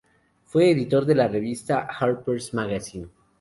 Fue editor de la revista "Harper's Magazine".